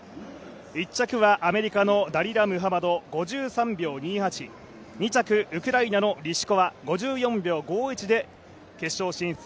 １着はアメリカのダリラ・ムハマド５３秒２８、２着、ウクライナのリシコワ５４秒５１で決勝進出。